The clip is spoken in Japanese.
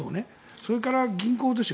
それから、銀行ですよ。